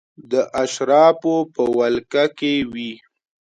د اشرافو په ولکه کې وې.